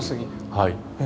はい。